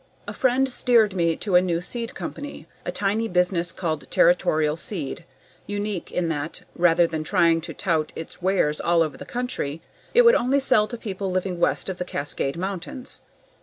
A friend steered me to a new seed company, a tiny business called Territorial Seed, unique in that, rather than trying to tout its wares all over the country, it would only sell to people living west of the Cascade Mountains.